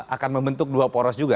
akan membentuk dua poros juga